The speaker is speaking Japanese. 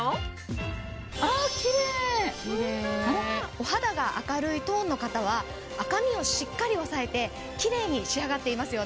お肌が明るいトーンの方は赤みをしっかり抑えてキレイに仕上がっていますよね。